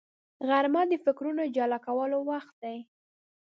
غرمه د فکرونو جلا کولو وخت دی